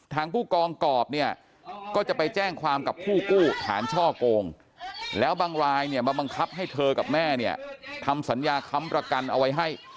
ทางผู้กองกรอบเนี่ยก็จะไปแจ้งความกับผู้กู้ฐานช่อโกงแล้วบางรายเนี่ยมาบังคับให้เธอกับแม่เนี่ยทำสัญญาค้ำประกันเอาไว้ให้